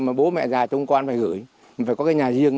mà bố mẹ già trong con phải gửi phải có cái nhà riêng